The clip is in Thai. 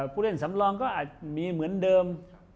ผู้เล่นสำรองก็อาจมีเหมือนเดิม